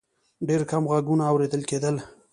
ډېر کم غږونه اورېدل کېدل.